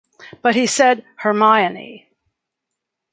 But he said 'Hermione.